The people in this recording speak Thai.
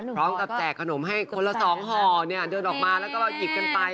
พร้อมกับแจกขนมให้คนละ๒ห่อเดินออกมาแล้วก็หยิบกันไป